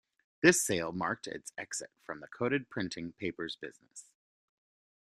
This sale marked its exit from the coated printing papers business.